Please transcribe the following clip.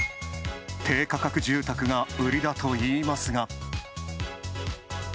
低価格住宅が売りだといいますが。